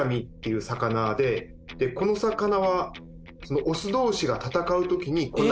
この魚は。